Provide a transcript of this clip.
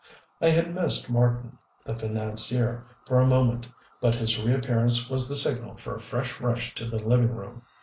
I had missed Marten, the financier, for a moment; but his reappearance was the signal for a fresh rush to the living room.